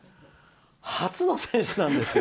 初の選手なんですよ。